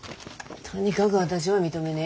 とにかく私は認めね。